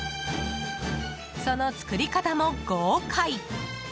その作り方も豪快。